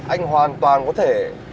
anh hoàn toàn có thể